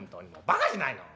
バカじゃないの！？